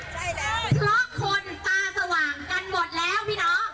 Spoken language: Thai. เพราะคนตาสว่างกันหมดแล้วพี่น้อง